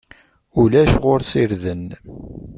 Ulac ɣur-s irden.